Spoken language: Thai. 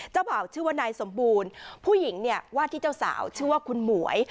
เผ่าชื่อว่านายสมบูรณ์ผู้หญิงเนี่ยวาดที่เจ้าสาวชื่อว่าคุณหมวย